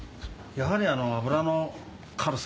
やはりあの。